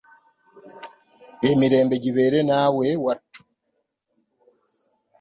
Emirembe gibeere naawe wattu.